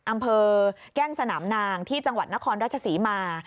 อำเภอแก้งสนามนางที่จังหวัดนครราชศรีมา